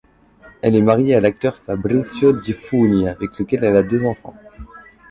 Elle est mariée à l'acteur Fabrizio Gifuni avec lequel elle a deux enfants.